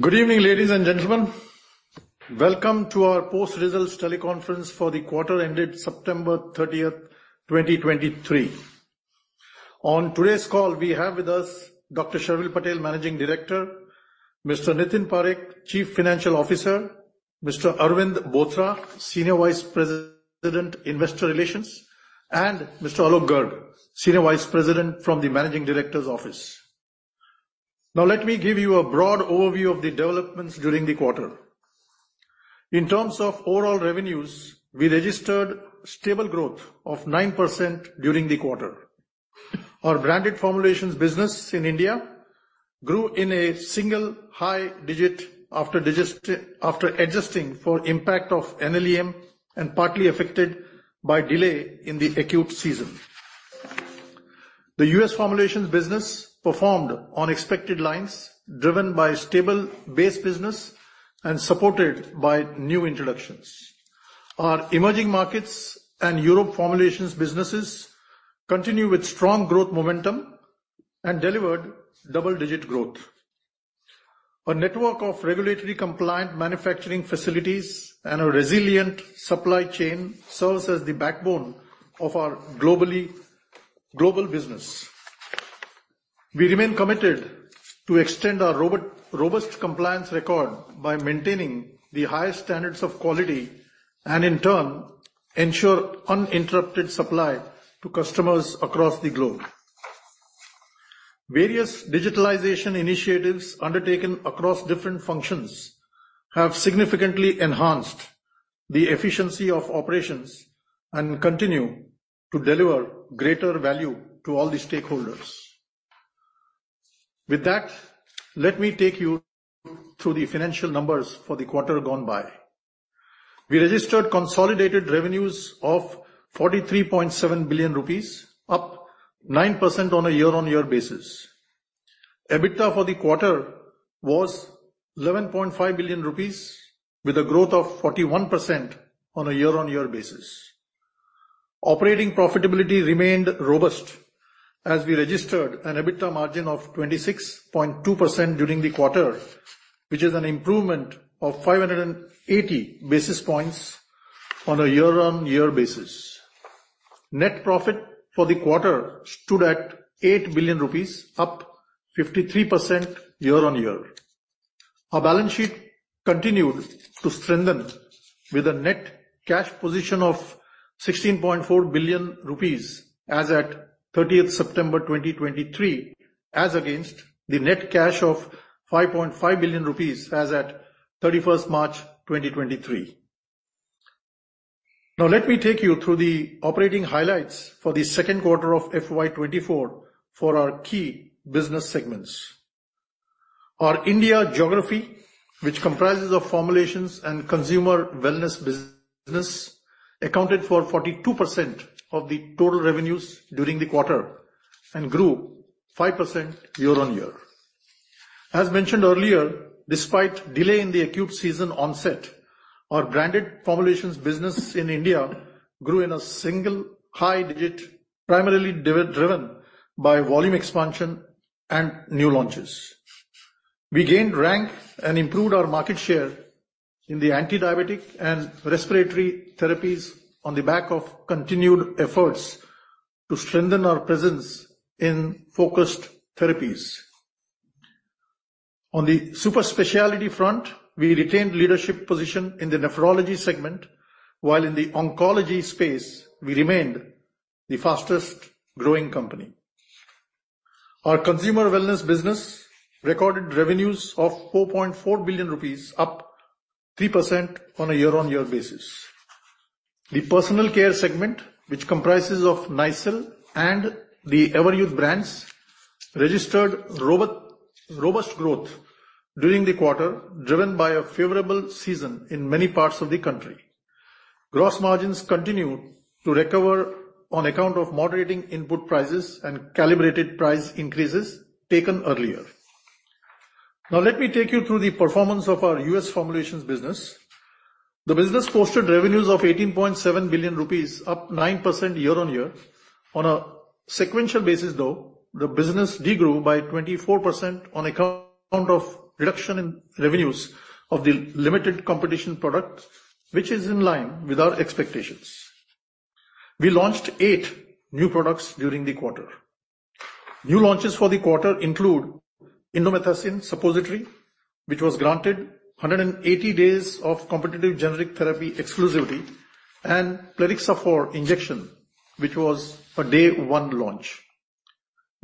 Good evening, ladies and gentlemen. Welcome to our post-results teleconference for the quarter ended September 30th, 2023. On today's call, we have with us Dr. Sharvil Patel, Managing Director; Mr. Nitin Parekh, Chief Financial Officer; Mr. Arvind Bothra, Senior Vice President, Investor Relations; and Mr. Alok Garg, Senior Vice President from the Managing Director's Office. Now, let me give you a broad overview of the developments during the quarter. In terms of overall revenues, we registered stable growth of 9% during the quarter. Our branded formulations business in India grew in a single high digit after adjusting for impact of NLEM and partly affected by delay in the acute season. The US formulations business performed on expected lines, driven by stable base business and supported by new introductions. Our emerging markets and Europe formulations businesses continue with strong growth momentum and delivered double-digit growth. Our network of regulatory compliant manufacturing facilities and a resilient supply chain serves as the backbone of our global business. We remain committed to extend our robust compliance record by maintaining the highest standards of quality and in turn, ensure uninterrupted supply to customers across the globe. Various digitalization initiatives undertaken across different functions have significantly enhanced the efficiency of operations and continue to deliver greater value to all the stakeholders. With that, let me take you through the financial numbers for the quarter gone by. We registered consolidated revenues of 43.7 billion rupees, up 9% on a year-on-year basis. EBITDA for the quarter was 11.5 billion rupees, with a growth of 41% on a year-on-year basis. Operating profitability remained robust as we registered an EBITDA margin of 26.2% during the quarter, which is an improvement of 580 basis points on a year-on-year basis. Net profit for the quarter stood at 8 billion rupees, up 53% year-on-year. Our balance sheet continued to strengthen with a net cash position of 16.4 billion rupees as at 30th September 2023, as against the net cash of 5.5 billion rupees as at 31st March 2023. Now, let me take you through the operating highlights for the second quarter of FY 2024 for our key business segments. Our India geography, which comprises of formulations and consumer wellness business, accounted for 42% of the total revenues during the quarter and grew 5% year-on-year. As mentioned earlier, despite delay in the acute season onset, our branded formulations business in India grew in a single high digit, primarily driven by volume expansion and new launches. We gained rank and improved our market share in the antidiabetic and respiratory therapies on the back of continued efforts to strengthen our presence in focused therapies. On the super specialty front, we retained leadership position in the nephrology segment, while in the oncology space, we remained the fastest growing company. Our consumer wellness business recorded revenues of 4.4 billion rupees, up 3% on a year-on-year basis. The personal care segment, which comprises of Nycil and the Everyuth brands, registered robust growth during the quarter, driven by a favorable season in many parts of the country. Gross margins continued to recover on account of moderating input prices and calibrated price increases taken earlier. Now, let me take you through the performance of our US formulations business. The business posted revenues of 18.7 billion rupees, up 9% year-on-year. On a sequential basis, though, the business de-grew by 24% on account of reduction in revenues of the limited competition product, which is in line with our expectations. We launched 8 new products during the quarter. New launches for the quarter include Indomethacin suppository, which was granted 180 days of competitive generic therapy exclusivity, and Plerixafor injection, which was a day one launch.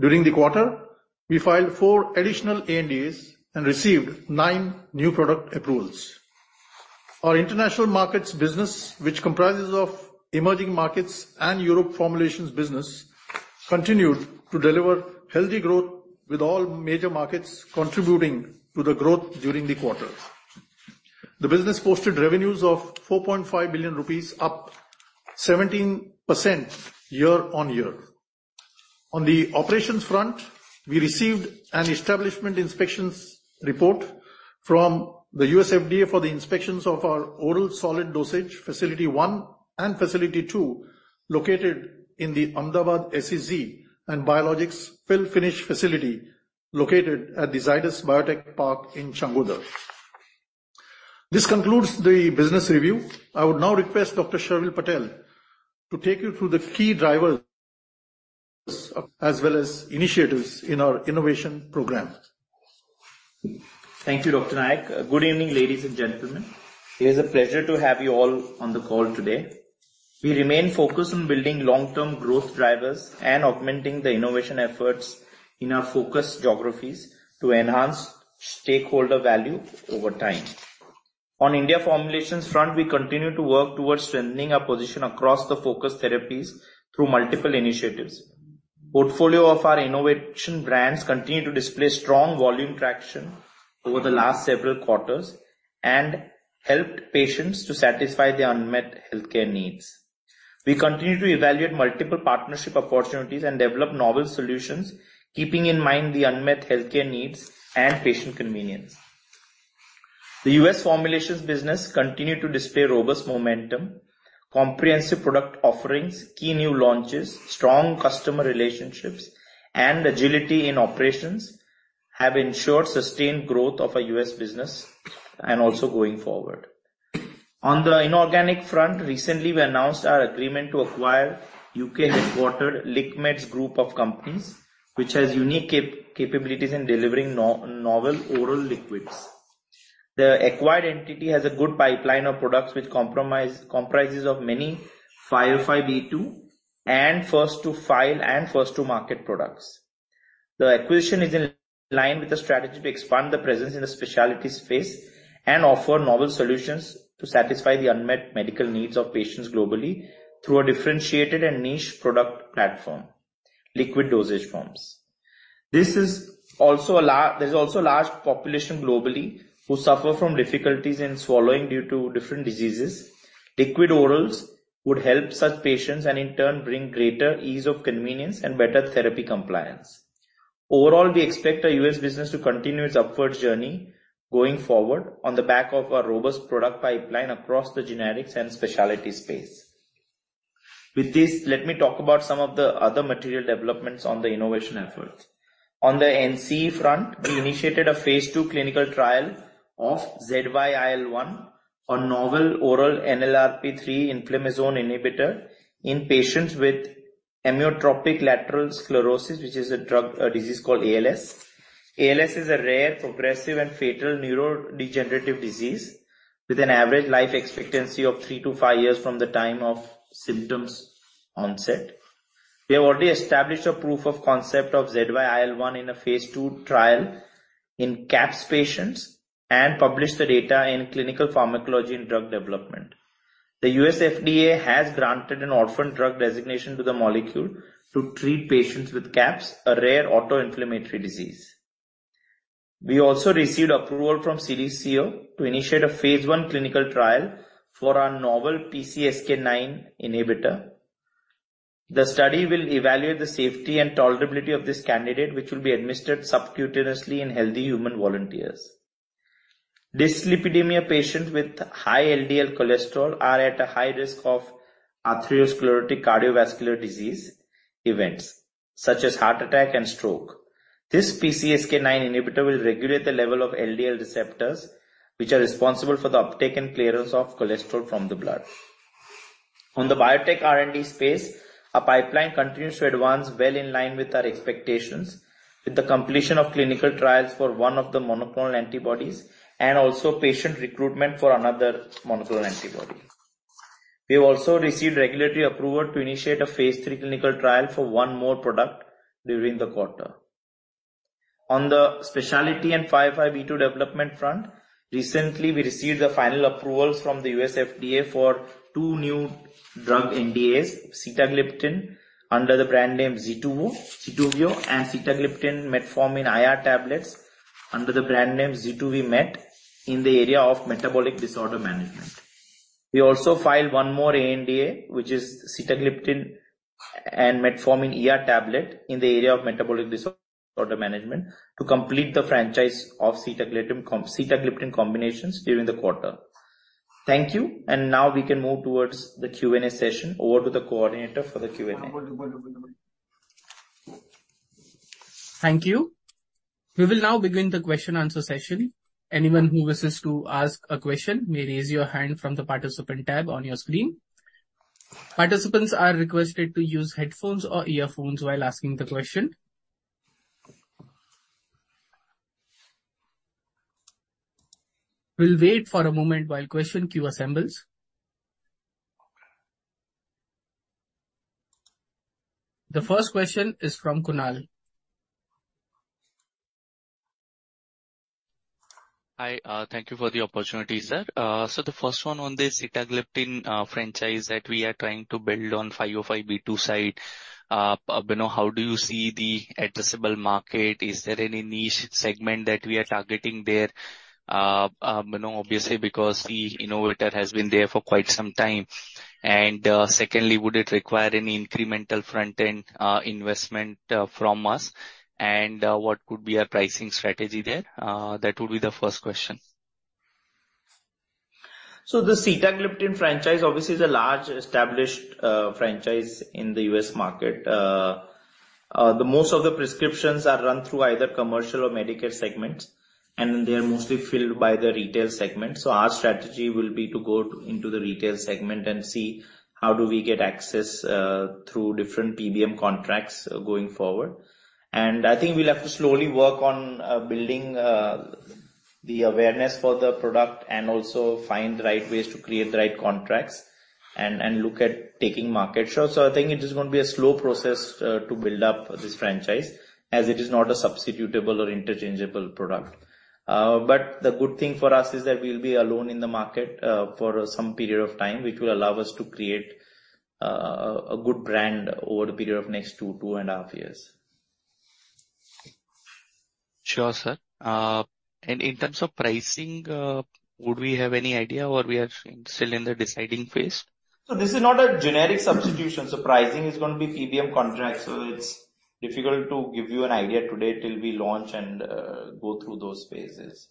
During the quarter, we filed four additional ANDAs and received nine new product approvals. Our international markets business, which comprises of emerging markets and Europe formulations business, continued to deliver healthy growth, with all major markets contributing to the growth during the quarter. The business posted revenues of 4.5 billion rupees, up 17% year-on-year. On the operations front, we received an Establishment Inspection Report from the U.S. FDA for the inspections of our oral solid dosage Facility One and Facility Two, located in the Ahmedabad SEZ, and Biologics Fill Finish facility, located at the Zydus Biotech Park in Changodar. This concludes the business review. I would now request Dr. Sharvil Patel to take you through the key drivers, as well as initiatives in our innovation program. Thank you, Dr. Nayak. Good evening, ladies and gentlemen. It is a pleasure to have you all on the call today. We remain focused on building long-term growth drivers and augmenting the innovation efforts in our focus geographies to enhance stakeholder value over time. On India formulations front, we continue to work towards strengthening our position across the focus therapies through multiple initiatives. Portfolio of our innovation brands continue to display strong volume traction over the last several quarters and helped patients to satisfy their unmet healthcare needs. We continue to evaluate multiple partnership opportunities and develop novel solutions, keeping in mind the unmet healthcare needs and patient convenience. The U.S. formulations business continue to display robust momentum, comprehensive product offerings, key new launches, strong customer relationships, and agility in operations have ensured sustained growth of our U.S. business and also going forward. On the inorganic front, recently we announced our agreement to acquire U.K.-headquartered LiqMeds group of companies, which has unique capabilities in delivering novel oral liquids. The acquired entity has a good pipeline of products, which comprises of many 505(b)(2) and first to file and first to market products. The acquisition is in line with the strategy to expand the presence in the specialties space and offer novel solutions to satisfy the unmet medical needs of patients globally through a differentiated and niche product platform, liquid dosage forms. There's also a large population globally who suffer from difficulties in swallowing due to different diseases. Liquid orals would help such patients and in turn, bring greater ease of convenience and better therapy compliance. Overall, we expect our U.S. business to continue its upwards journey going forward on the back of our robust product pipeline across the generics and specialty space. With this, let me talk about some of the other material developments on the innovation efforts. On the NCE front, we initiated a phase two clinical trial of ZYIL-1, a novel oral NLRP3 inflammasome inhibitor in patients with amyotrophic lateral sclerosis, which is a disease called ALS. ALS is a rare, progressive and fatal neurodegenerative disease, with an average life expectancy of three-to-five years from the time of symptoms onset. We have already established a proof of concept of ZYIL-1 in a phase two trial in CAPS patients and published the data in Clinical Pharmacology and Drug Development. The U.S. FDA has granted an orphan drug designation to the molecule to treat patients with CAPS, a rare autoinflammatory disease. We also received approval from CDSCO to initiate a phase one clinical trial for our novel PCSK9 inhibitor. The study will evaluate the safety and tolerability of this candidate, which will be administered subcutaneously in healthy human volunteers. Dyslipidemia patients with high LDL cholesterol are at a high risk of atherosclerotic cardiovascular disease events, such as heart attack and stroke. This PCSK9 inhibitor will regulate the level of LDL receptors, which are responsible for the uptake and clearance of cholesterol from the blood. On the biotech R&D space, our pipeline continues to advance well in line with our expectations, with the completion of clinical trials for one of the monoclonal antibodies and also patient recruitment for another monoclonal antibody. We have also received regulatory approval to initiate a phase three clinical trial for one more product during the quarter. On the specialty and 505(b)(2) development front, recently we received the final approvals from the US FDA for two new drug NDAs, sitagliptin under the brand name Zituvio and sitagliptin metformin IR tablets under the brand name Zituvimet, in the area of metabolic disorder management. We also filed one more ANDA, which is sitagliptin and metformin ER tablet in the area of metabolic disorder management, to complete the franchise of sitagliptin combinations during the quarter. Thank you, and now we can move towards the Q&A session. Over to the coordinator for the Q&A. Thank you. We will now begin the question and answer session. Anyone who wishes to ask a question may raise your hand from the participant tab on your screen. Participants are requested to use headphones or earphones while asking the question. We'll wait for a moment while question queue assembles. The first question is from Kunal. Hi, thank you for the opportunity, sir. So the first one on the sitagliptin franchise that we are trying to build on 505(b)(2) side. You know, how do you see the addressable market? Is there any niche segment that we are targeting there? You know, obviously, because the innovator has been there for quite some time. And, secondly, would it require any incremental front-end investment from us? And, what could be our pricing strategy there? That would be the first question.... So the sitagliptin franchise obviously is a large established franchise in the U.S. market. The most of the prescriptions are run through either commercial or Medicare segments, and they are mostly filled by the retail segment. So our strategy will be to go to, into the retail segment and see how do we get access through different PBM contracts going forward. And I think we'll have to slowly work on building the awareness for the product and also find the right ways to create the right contracts and, and look at taking market share. So I think it is going to be a slow process to build up this franchise, as it is not a substitutable or interchangeable product. The good thing for us is that we'll be alone in the market for some period of time, which will allow us to create a good brand over the period of next 2-2.5 years. Sure, sir. In terms of pricing, would we have any idea or we are still in the deciding phase? So this is not a generic substitution, so pricing is going to be PBM contract, so it's difficult to give you an idea today till we launch and go through those phases.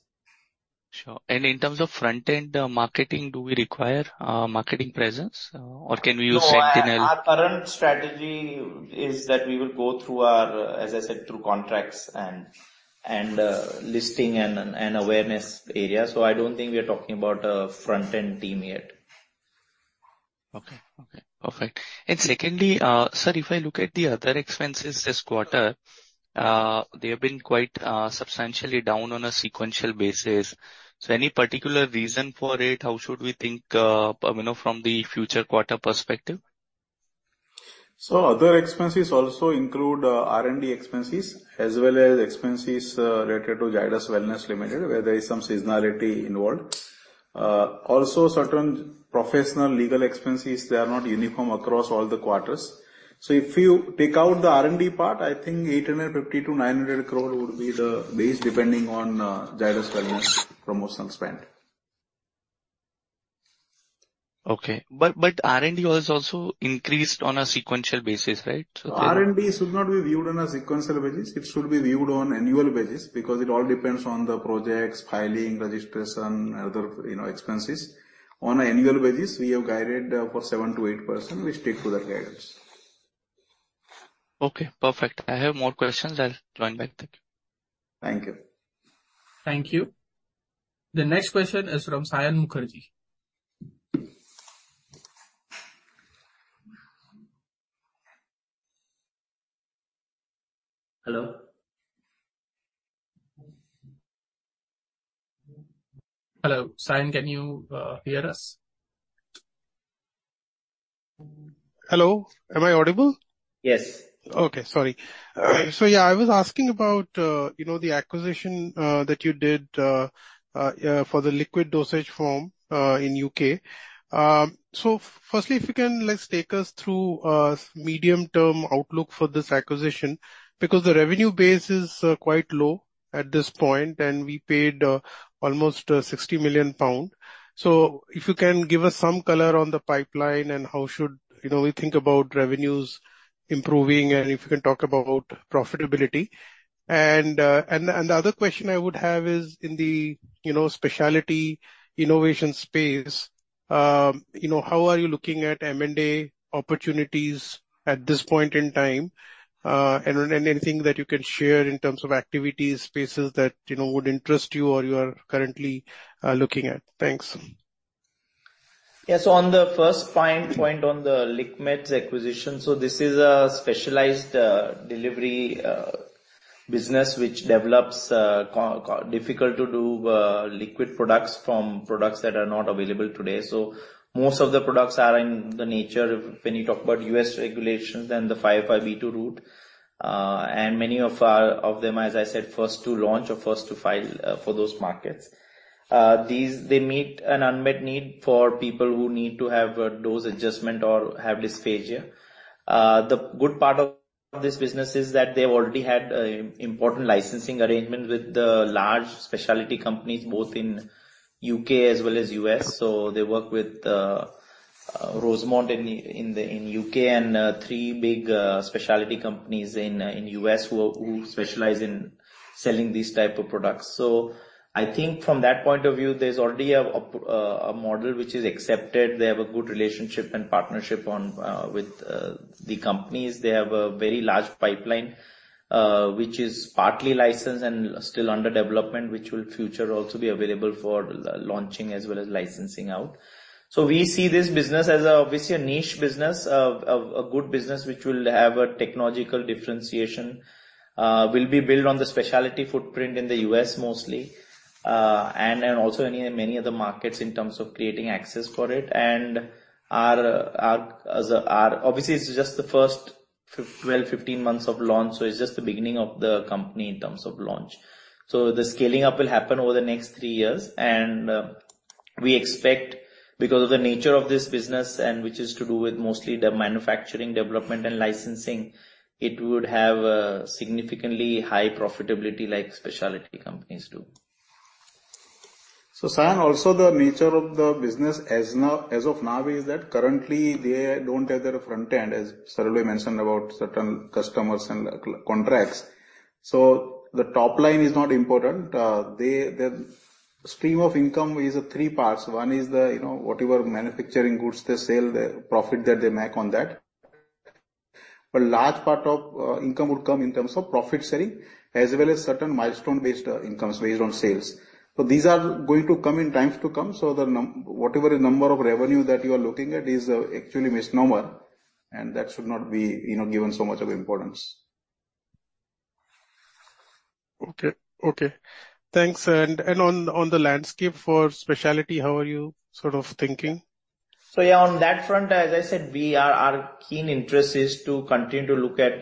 Sure. And in terms of front-end marketing, do we require marketing presence, or can we use Sentynl? No, our current strategy is that we will go through our, as I said, through contracts and listing and awareness area. So I don't think we are talking about a front-end team yet. Okay. Okay, perfect. And secondly, sir, if I look at the other expenses this quarter, they have been quite, substantially down on a sequential basis. So any particular reason for it? How should we think, you know, from the future quarter perspective? So other expenses also include R&D expenses, as well as expenses related to Zydus Wellness Limited, where there is some seasonality involved. Also, certain professional legal expenses. They are not uniform across all the quarters. So if you take out the R&D part, I think 850 crore-900 crore would be the base, depending on Zydus Wellness promotion spend. Okay. But, but R&D was also increased on a sequential basis, right? R&D should not be viewed on a sequential basis. It should be viewed on annual basis, because it all depends on the projects, filing, registration, other, you know, expenses. On an annual basis, we have guided for 7%-8%. We stick to that guidance. Okay, perfect. I have more questions. I'll join back. Thank you. Thank you. Thank you. The next question is from Saion Mukherjee. Hello? Hello, Saion, can you hear us? Hello, am I audible? Yes. Okay, sorry. So, yeah, I was asking about, you know, the acquisition that you did for the liquid dosage form in U.K. So firstly, if you can, let's take us through medium-term outlook for this acquisition, because the revenue base is quite low at this point, and we paid almost 60 million pound. So if you can give us some color on the pipeline and how should we think about revenues improving and if you can talk about profitability. And the other question I would have is in the specialty innovation space, you know, how are you looking at M&A opportunities at this point in time? And anything that you can share in terms of activities, spaces that, you know, would interest you or you are currently looking at? Thanks. Yes. So on the first point, point on the LiqMeds' acquisition, so this is a specialized delivery business which develops difficult-to-do liquid products from products that are not available today. So most of the products are in the nature of when you talk about U.S. regulations and the 505(b)(2) route, and many of them, as I said, first to launch or first to file, for those markets. These, they meet an unmet need for people who need to have a dose adjustment or have dysphagia. The good part of this business is that they've already had important licensing arrangement with the large specialty companies, both in U.K. as well as U.S. So they work with Rosemont in the U.K. and three big specialty companies in the U.S. who specialize in selling these type of products. So I think from that point of view, there's already a model which is accepted. They have a good relationship and partnership with the companies. They have a very large pipeline which is partly licensed and still under development, which will future also be available for launching as well as licensing out. So we see this business as, obviously, a niche business, a good business which will have a technological differentiation, will be built on the specialty footprint in the US, mostly, and also in many other markets in terms of creating access for it. And our, our, as, our... Obviously, this is just the first 12-15 months of launch, so it's just the beginning of the company in terms of launch. So the scaling up will happen over the next three years, and we expect because of the nature of this business, and which is to do with mostly the manufacturing, development, and licensing, it would have a significantly high profitability, like specialty companies do. So, Saion, also the nature of the business as now, as of now is that currently they don't have their front end, as Sharvil mentioned about certain customers and contracts. So the top line is not important. They, the stream of income is three parts. One is the, you know, whatever manufacturing goods they sell, the profit that they make on that.... But large part of income would come in terms of profit sharing, as well as certain milestone-based incomes based on sales. So these are going to come in times to come, so the whatever number of revenue that you are looking at is actually misnomer, and that should not be, you know, given so much of importance. Okay. Thanks. And on the landscape for specialty, how are you sort of thinking? So yeah, on that front, as I said, we are, our keen interest is to continue to look at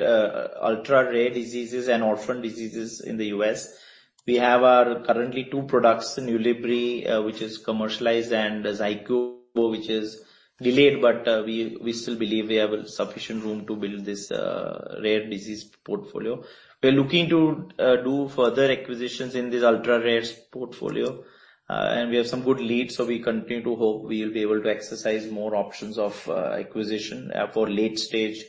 ultra-rare diseases and orphan diseases in the U.S. We have our currently two products, Nulibry, which is commercialized, and ZYCUBO, which is delayed, but we still believe we have sufficient room to build this rare disease portfolio. We are looking to do further acquisitions in this ultra-rare portfolio, and we have some good leads, so we continue to hope we will be able to exercise more options of acquisition for late-stage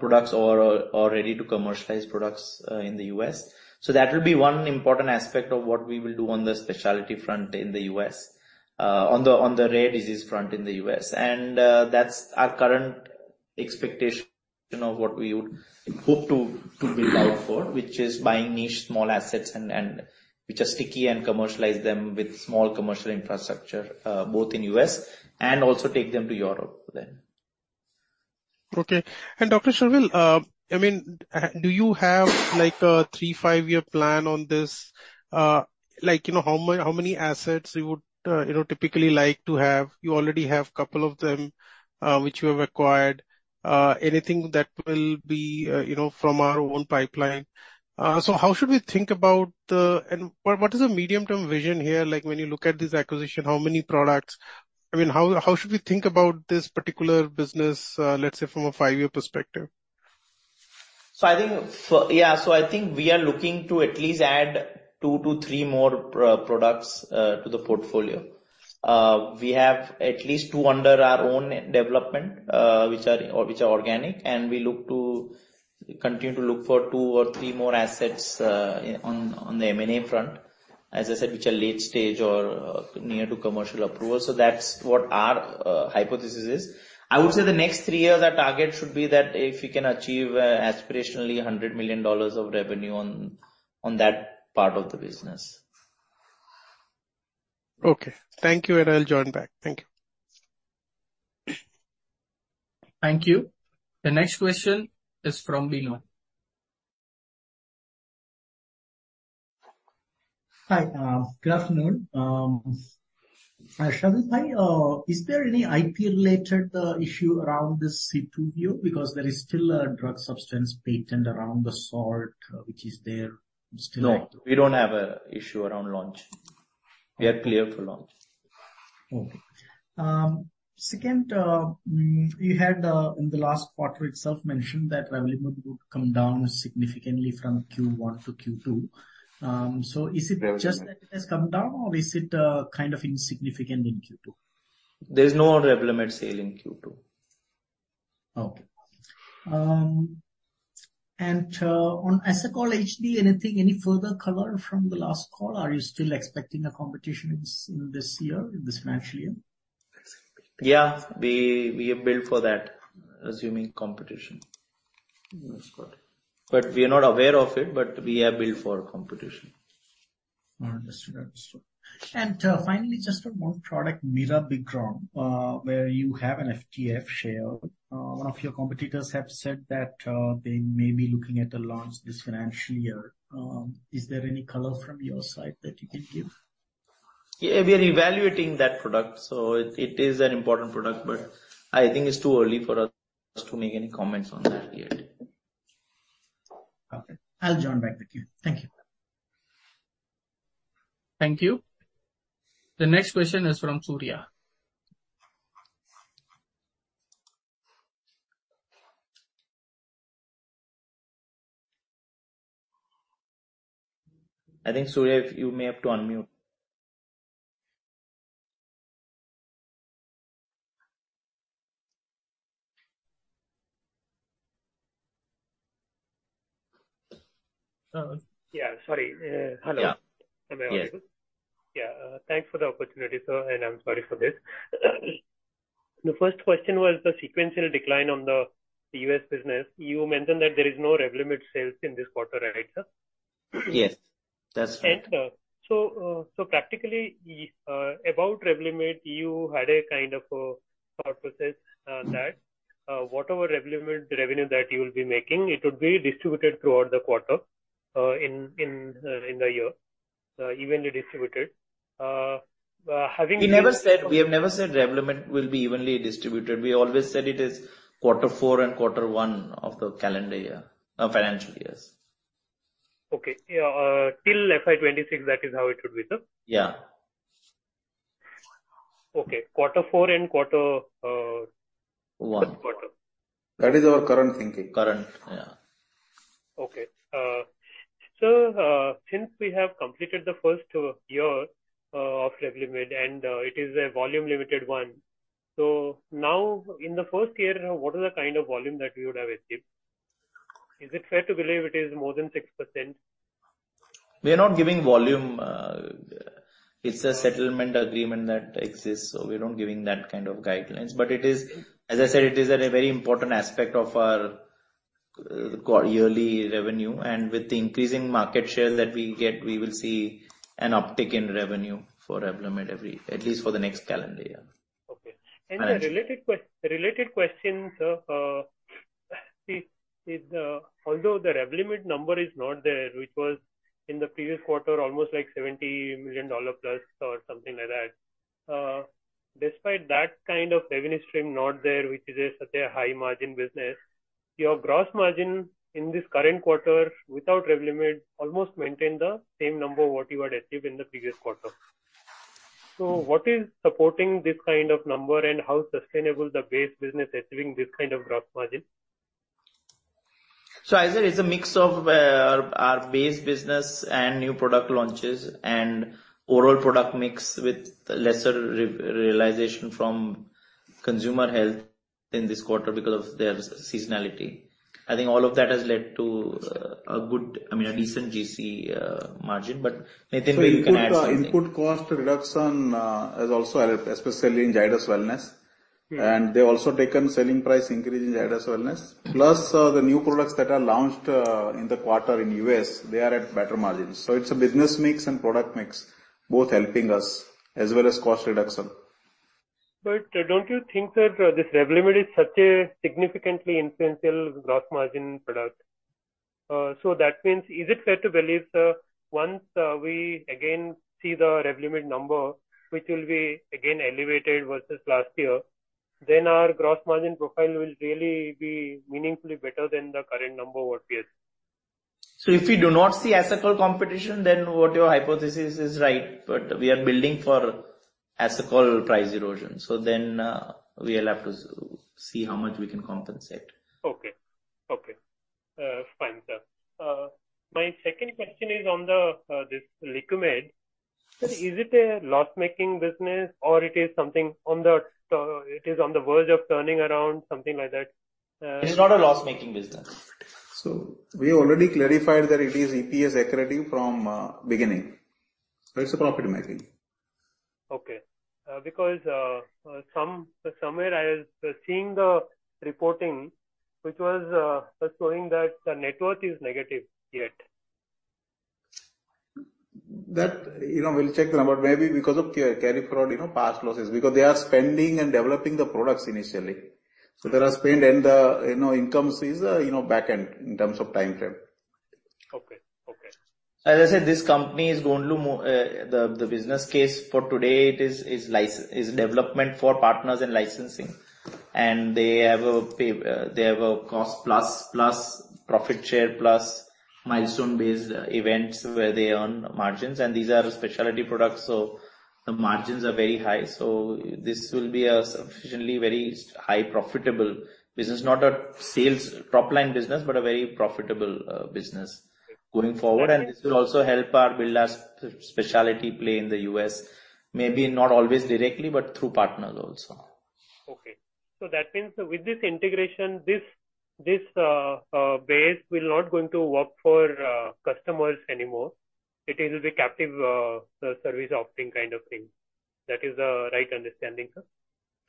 products or ready-to-commercialize products in the U.S. So that will be one important aspect of what we will do on the specialty front in the U.S., on the rare disease front in the U.S. That's our current expectation of what we would hope to build out for, which is buying niche small assets and which are sticky and commercialize them with small commercial infrastructure, both in U.S. and also take them to Europe then. Okay. And, Dr. Sharvil, I mean, do you have like a three, five-year plan on this? Like, you know, how many assets you would, you know, typically like to have? You already have couple of them, which you have acquired. Anything that will be, you know, from our own pipeline. So how should we think about the... And what, what is the medium-term vision here? Like, when you look at this acquisition, how many products? I mean, how should we think about this particular business, let's say, from a five-year perspective? So I think for... Yeah, so I think we are looking to at least add 2-3 more products to the portfolio. We have at least two under our own development, which are, which are organic, and we look to continue to look for two or three more assets on the M&A front, as I said, which are late stage or near to commercial approval. So that's what our hypothesis is. I would say the next three years, our target should be that if we can achieve aspirationally $100 million of revenue on that part of the business. Okay. Thank you, and I'll join back. Thank you. Thank you. The next question is from Bino. Hi, good afternoon. Sharvil, is there any IP-related issue around this C-two view? Because there is still a drug substance patent around the salt, which is there, still- No, we don't have an issue around launch. We are clear for launch. Okay. Second, you had, in the last quarter itself, mentioned that Revlimid would come down significantly from Q1 to Q2. So is it- Revlimid. -just that it has come down, or is it, kind of insignificant in Q2? There's no Revlimid sale in Q2. Okay. And, on Asacol HD, anything, any further color from the last call, or are you still expecting a competition in this, in this year, in this financial year? Yeah. We have built for that, assuming competition. That's correct. But we are not aware of it, but we have built for competition. Understood. Understood. And, finally, just one more product, Mirabegron, where you have an FTF share. One of your competitors have said that, they may be looking at a launch this financial year. Is there any color from your side that you can give? Yeah, we are evaluating that product, so it is an important product, but I think it's too early for us to make any comments on that yet. Okay. I'll join back with you. Thank you. Thank you. The next question is from Surya. I think, Surya, you may have to unmute. Yeah, sorry. Hello. Yeah. Am I audible? Yes. Yeah, thanks for the opportunity, sir, and I'm sorry for this. The first question was the sequential decline on the U.S. business. You mentioned that there is no Revlimid sales in this quarter, right, sir? Yes, that's true. So practically, about Revlimid, you had a kind of a thought process that whatever Revlimid revenue that you will be making, it would be distributed throughout the quarter, in the year, evenly distributed. Having- We never said, we have never said Revlimid will be evenly distributed. We always said it is quarter four and quarter one of the calendar year, financial years. Okay. Yeah, till FY 2026, that is how it would be, sir? Yeah. Okay. Quarter four and quarter, One. First quarter. That is our current thinking. Current, yeah. Okay. So, since we have completed the first year of Revlimid, and it is a volume-limited one, so now, in the first year, what is the kind of volume that we would have achieved? Is it fair to believe it is more than 6%? ...We are not giving volume. It's a settlement agreement that exists, so we're not giving that kind of guidelines. But it is, as I said, it is a very important aspect of our yearly revenue, and with the increasing market share that we get, we will see an uptick in revenue for Revlimid every—at least for the next calendar year. Okay. And- A related question, sir, is, although the Revlimid number is not there, which was in the previous quarter, almost like $70+ million or something like that. Despite that kind of revenue stream not there, which is a such a high margin business, your gross margin in this current quarter, without Revlimid, almost maintained the same number what you had achieved in the previous quarter. So what is supporting this kind of number, and how sustainable the base business achieving this kind of gross margin? So as I said, it's a mix of our base business and new product launches, and overall product mix with lesser realization from consumer health in this quarter because of their seasonality. I think all of that has led to a good, I mean, a decent GC margin. But Nitin, you can add something. So, input cost reduction has also helped, especially in Zydus Wellness. Yeah. They've also taken selling price increase in Zydus Wellness. Plus, the new products that are launched, in the quarter in U.S., they are at better margins. So it's a business mix and product mix, both helping us, as well as cost reduction. But don't you think that this Revlimid is such a significantly influential gross margin product? So that means, is it fair to believe, sir, once we again see the Revlimid number, which will be again elevated versus last year, then our gross margin profile will really be meaningfully better than the current number what we have? So if you do not see Asacol competition, then what your hypothesis is right, but we are building for Asacol price erosion. So then, we'll have to see how much we can compensate. Okay. Okay. Fine, sir. My second question is on the, this LiqMeds. Sir, is it a loss-making business or it is something on the, it is on the verge of turning around, something like that? It's not a loss-making business. So we already clarified that it is EPS accretive from beginning. So it's a profit-making. Okay. Because somewhere I was seeing the reporting, which was showing that the net worth is negative yet. That, you know, we'll check the number. Maybe because of carry forward, you know, past losses, because they are spending and developing the products initially. So there are spend and the, you know, incomes is, you know, back end in terms of timeframe. Okay. Okay. As I said, this company is going to the business case for today, it is development for partners and licensing. And they have a cost plus profit share plus milestone-based events where they earn margins, and these are specialty products, so the margins are very high. So this will be a sufficiently very high profitable business. Not a sales top-line business, but a very profitable business going forward. Okay. This will also help our branded specialty play in the U.S., maybe not always directly, but through partners also. Okay. So that means with this integration, this, this, base will not going to work for, customers anymore. It is the captive, service opting kind of thing. That is the right understanding, sir?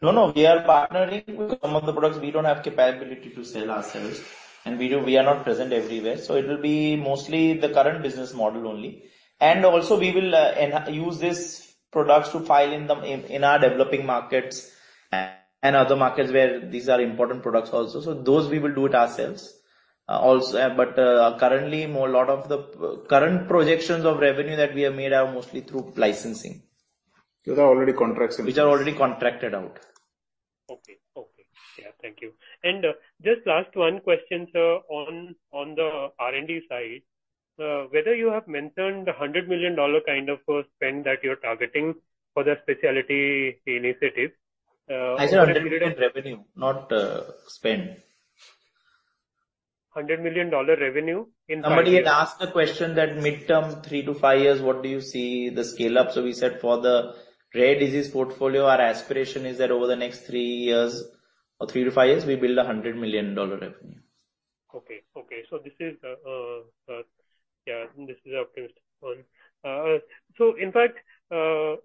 No, no, we are partnering with some of the products. We don't have capability to sell ourselves, and we are not present everywhere, so it will be mostly the current business model only. And also we will use these products to file in our developing markets and other markets where these are important products also. So those we will do it ourselves, also. But currently lot of the current projections of revenue that we have made are mostly through licensing. Those are already contracted. Which are already contracted out. Okay. Okay. Yeah, thank you. And, just last one question, sir, on the R&D side, whether you have mentioned the $100 million kind of spend that you're targeting for the specialty initiative? I said $100 million revenue, not spend. $100 million revenue in- Somebody had asked a question that midterm, three to five years, what do you see the scale up? So we said for the rare disease portfolio, our aspiration is that over the next three years or three to five years, we build a $100 million revenue. Okay, okay. So this is, yeah, this is optimistic one. So in fact, so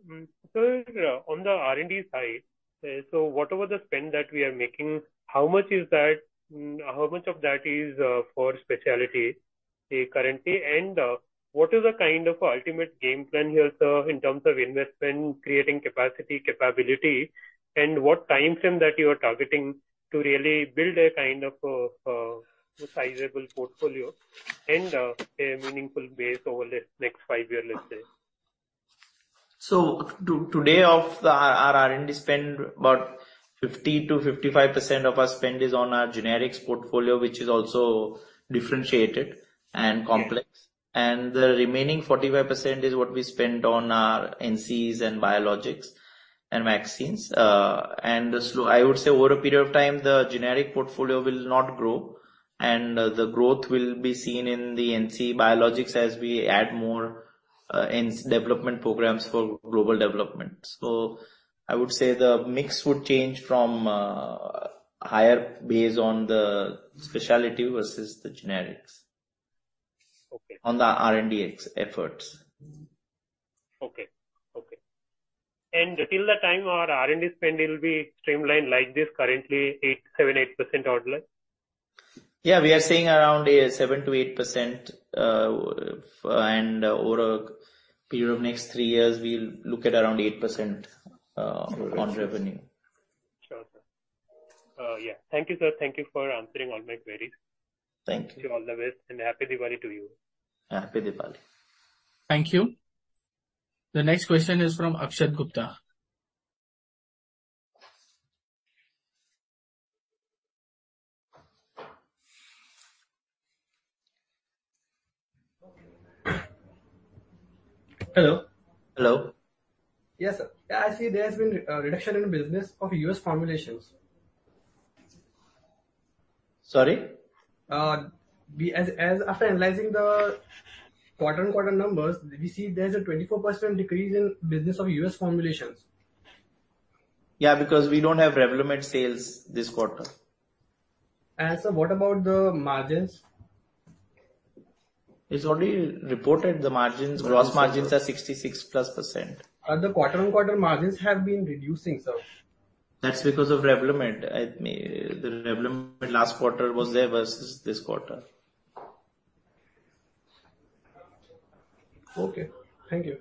on the R&D side, so whatever the spend that we are making, how much is that, how much of that is, for specialty, currently? And, what is the kind of ultimate game plan here, sir, in terms of investment, creating capacity, capability, and what timeframe that you are targeting to really build a kind of, sizable portfolio and, a meaningful base over the next five years, let's say? So today of our R&D spend, about 50%-55% of our spend is on our generics portfolio, which is also differentiated and complex. Yeah. And the remaining 45% is what we spend on our NCEs and biologics and vaccines. And so I would say over a period of time, the generic portfolio will not grow, and the growth will be seen in the NCE biologics as we add more, NCE development programs for global development. So I would say the mix would change from higher based on the specialty versus the generics. Okay. On the R&D efforts. Okay, okay. And till the time our R&D spend will be streamlined like this, currently 8, 7, 8% outlay? Yeah, we are saying around a 7%-8%, and over a period of next 3 years, we'll look at around 8% on revenue. Sure, sir. Yeah. Thank you, sir. Thank you for answering all my queries. Thank you. Wish you all the best, and happy Diwali to you. Happy Diwali. Thank you. The next question is from Akshat Gupta. Hello? Hello. Yes, sir. I see there has been a reduction in the business of U.S. formulations. Sorry? We, as after analyzing the quarter-on-quarter numbers, we see there's a 24% decrease in business of U.S. formulations. Yeah, because we don't have Revlimid sales this quarter. Sir, what about the margins? It's already reported, the margins- Gross margins are 66%+. The quarter-on-quarter margins have been reducing, sir. That's because of Revlimid. I mean, the Revlimid last quarter was there versus this quarter. Okay. Thank you.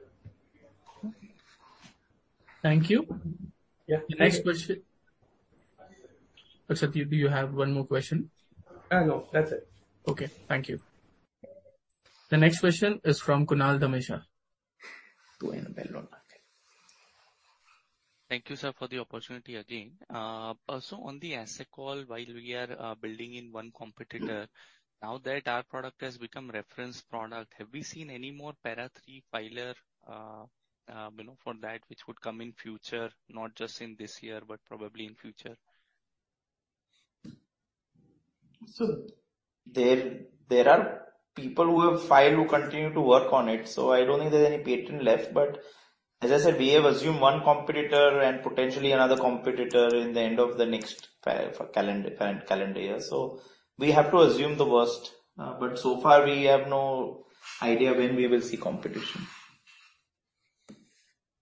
Thank you. Yeah. The next question... Akshat, do you have one more question? No, that's it. Okay, thank you. The next question is from Kunal Dhamesha. Two in a row. Thank you, sir, for the opportunity again. So on the asset call, while we are building in one competitor- Mm. Now that our product has become reference product, have we seen any more Para III filer, you know, for that which would come in future, not just in this year, but probably in future? So there are people who have filed who continue to work on it, so I don't think there's any patent left. But as I said, we have assumed one competitor and potentially another competitor in the end of the next calendar, current calendar year. So we have to assume the worst, but so far we have no idea when we will see competition.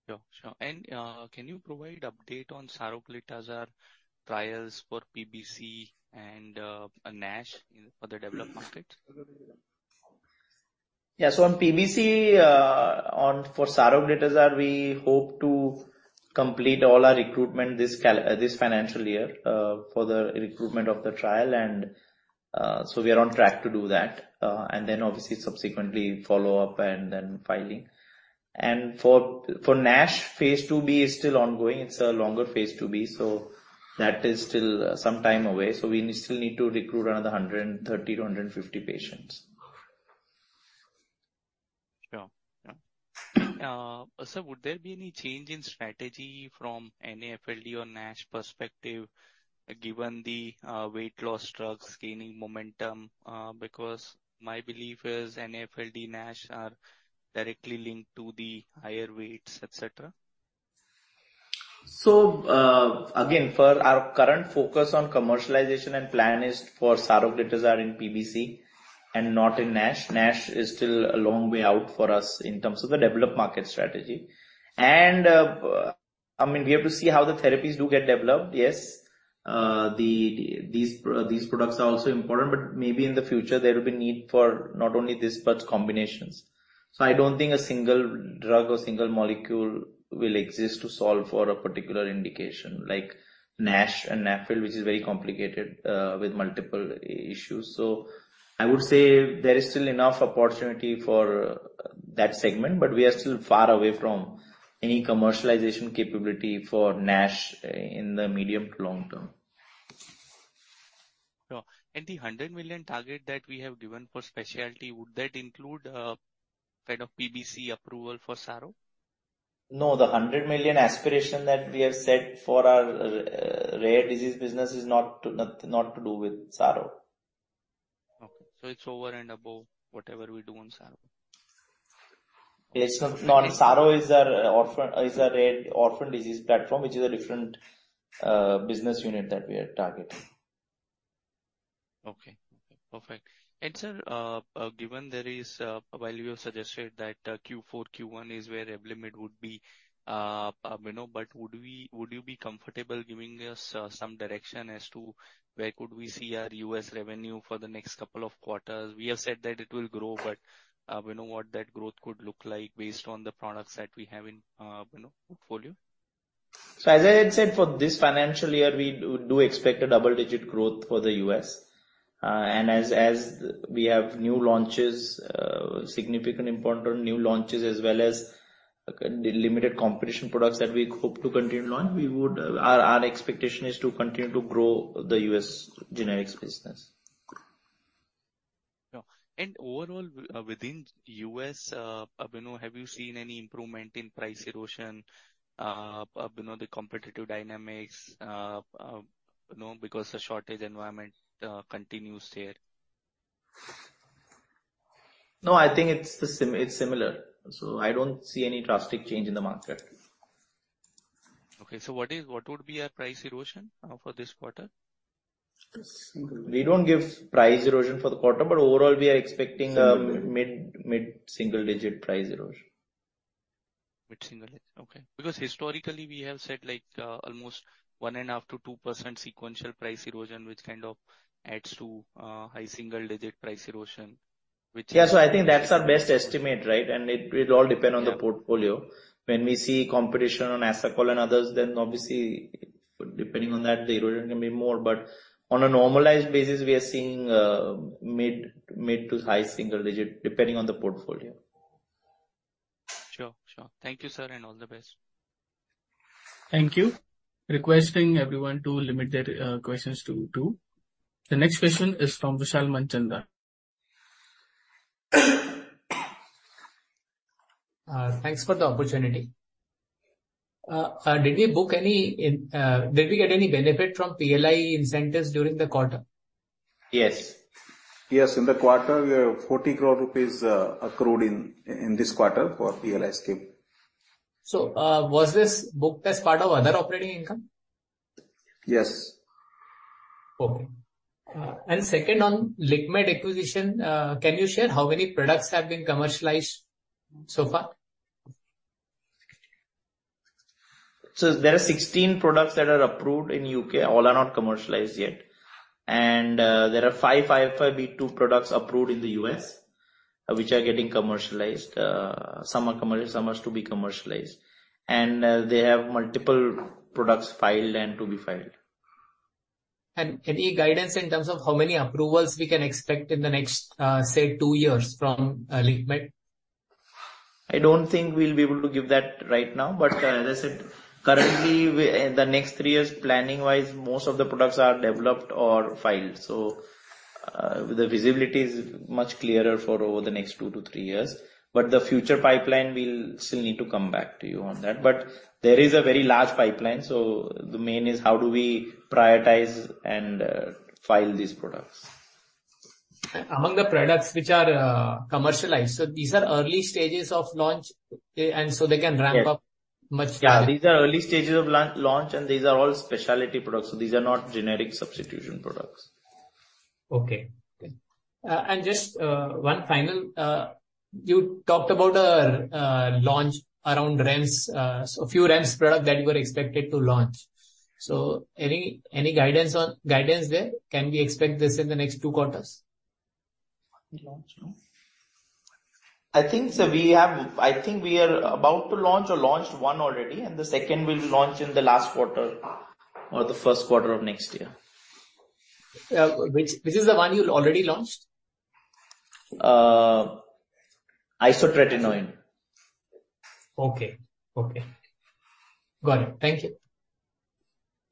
Sure, sure. And, can you provide update on Saroglitazar trials for PBC and, NASH in the other developed markets? Yeah. So on PBC for Saroglitazar, we hope to complete all our recruitment this financial year for the recruitment of the trial, and so we are on track to do that. And then obviously subsequently follow up and then filing. And for NASH, phase 2B is still ongoing. It's a longer phase 2B, so that is still some time away. So we still need to recruit another 130-150 patients. Sure. Yeah. Sir, would there be any change in strategy from NAFLD or NASH perspective, given the weight loss drugs gaining momentum? Because my belief is NAFLD, NASH are directly linked to the higher weights, et cetera. So, again, for our current focus on commercialization and plan is for Saroglitazar in PBC and not in NASH. NASH is still a long way out for us in terms of the developed market strategy. And, I mean, we have to see how the therapies do get developed. Yes, these products are also important, but maybe in the future there will be need for not only this, but combinations. So I don't think a single drug or single molecule will exist to solve for a particular indication, like NASH and NAFLD, which is very complicated, with multiple issues. So I would say there is still enough opportunity for that segment, but we are still far away from any commercialization capability for NASH, in the medium to long term. Sure. And the $100 million target that we have given for specialty, would that include, kind of, PBC approval for Saro? No, the $100 million aspiration that we have set for our rare disease business is not to do with Saro. Okay. So it's over and above whatever we do on Saro? Yes. No, Saro is our orphan, is our rare, orphan disease platform, which is a different, business unit that we are targeting. Okay. Perfect. And, sir, given there is, while you have suggested that, Q4, Q1 is where Revlimid would be, you know, but would we- would you be comfortable giving us, some direction as to where could we see our U.S. revenue for the next couple of quarters? We have said that it will grow, but, we know what that growth could look like based on the products that we have in, you know, portfolio. So as I had said, for this financial year, we do, do expect a double-digit growth for the US. And as, as we have new launches, significant important new launches, as well as the limited competition products that we hope to continue to launch, we would... Our, our expectation is to continue to grow the US generics business. Yeah. And overall, within U.S., you know, have you seen any improvement in price erosion, you know, the competitive dynamics? You know, because the shortage environment continues there.... No, I think it's similar, so I don't see any drastic change in the market. Okay. So what is, what would be our price erosion for this quarter? We don't give price erosion for the quarter, but overall, we are expecting a mid-single digit price erosion. Mid-single-digit, okay. Because historically, we have said, like, almost 1.5%-2% sequential price erosion, which kind of adds to, high single-digit price erosion, which- Yeah. So I think that's our best estimate, right? And it all depend on the portfolio. Yeah. When we see competition on Asacol and others, then obviously, depending on that, the erosion can be more. But on a normalized basis, we are seeing mid- to high-single-digit, depending on the portfolio. Sure. Sure. Thank you, sir, and all the best. Thank you. Requesting everyone to limit their questions to two. The next question is from Vishal Manchanda. Thanks for the opportunity. Did we get any benefit from PLI incentives during the quarter? Yes. Yes, in the quarter, we have 40 crore rupees accrued in this quarter for PLI scheme. Was this booked as part of other operating income? Yes. Okay. And second, on LiqMeds acquisition, can you share how many products have been commercialized so far? There are 16 products that are approved in the U.K. All are not commercialized yet. There are 5 505(b)(2) products approved in the U.S., which are getting commercialized. Some are commercial, some are to be commercialized, and they have multiple products filed and to be filed. Any guidance in terms of how many approvals we can expect in the next, say, two years from LiqMeds? I don't think we'll be able to give that right now, but, as I said, currently, we, in the next three years, planning-wise, most of the products are developed or filed. So, the visibility is much clearer for over the next two to three years. But the future pipeline, we'll still need to come back to you on that. But there is a very large pipeline, so the main is how do we prioritize and, file these products. Among the products which are commercialized, so these are early stages of launch, okay, and so they can ramp- Yes. -up much? Yeah, these are early stages of launch, and these are all specialty products, so these are not generic substitution products. Okay. Okay. And just, one final, you talked about a, launch around REMS, so a few REMS product that you were expected to launch. So any, any guidance on, guidance there? Can we expect this in the next two quarters? I think we are about to launch or launched one already, and the second will launch in the last quarter or the first quarter of next year. Which is the one you already launched? Uh, isotretinoin. Okay. Okay. Got it. Thank you.